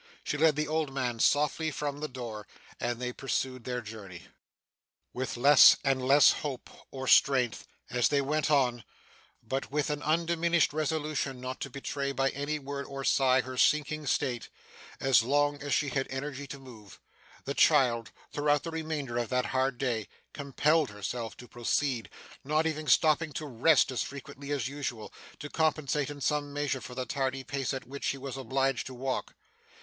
She led the old man softly from the door, and they pursued their journey. With less and less of hope or strength, as they went on, but with an undiminished resolution not to betray by any word or sigh her sinking state, so long as she had energy to move, the child, throughout the remainder of that hard day, compelled herself to proceed: not even stopping to rest as frequently as usual, to compensate in some measure for the tardy pace at which she was obliged to walk.